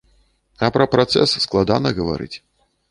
А пра працэс складана гаварыць.